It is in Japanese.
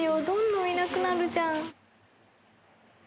どんどんいなくなるじゃん。